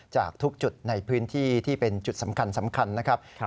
จากทุกจุดในพื้นที่ที่เป็นจุดสำคัญนะครับ